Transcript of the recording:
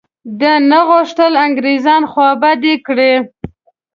ده نه غوښتل انګرېزان خوابدي کړي.